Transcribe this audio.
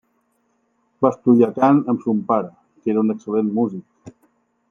Va estudiar cant amb son pare, que era un excel·lent músic.